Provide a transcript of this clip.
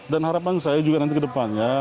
dan harapan saya juga nanti ke depan ya